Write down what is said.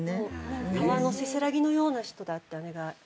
川のせせらぎのような人だって姉がよく。